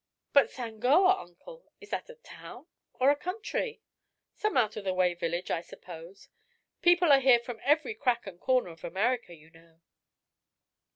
"But Sangoa, Uncle; is that a town or a country?" "Some out of the way village, I suppose. People are here from every crack and corner of America, you know."